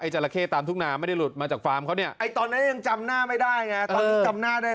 เจ้าของนาคาวชื่อป้าอุ่นป้าอุ่นบอกแปลกใจนะงงเนี่ยงงว่าทำไมเจ้าของฟาร์มมาจับไป